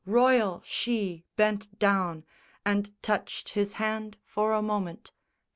Royal she bent down And touched his hand for a moment.